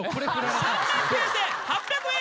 ３万９，８００円。